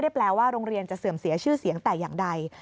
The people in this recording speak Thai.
แปลว่าโรงเรียนจะเสื่อมเสียชื่อเสียงแต่อย่างใด